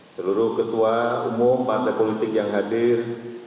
seluruh ketua umum partai politik yang hadir